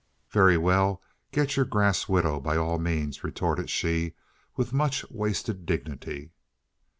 "Very well, get your grass widow by all means," retorted she with much wasted dignity.